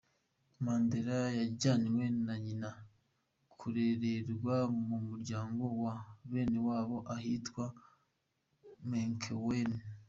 Mandela yajyanywe na nyina kurererwa mu muryango wa benewabo ahitwa Mqhekezweni.